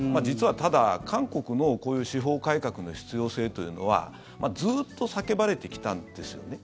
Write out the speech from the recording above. ただ、韓国のこういう司法改革の必要性というのはずっと叫ばれてきたんですよね。